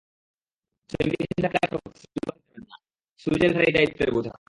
সেমিতে নিষেধাজ্ঞার খড়্গে সিলভা খেলতে পারবেন না, লুইজের ঘাড়েই দায়িত্বের বোঝা।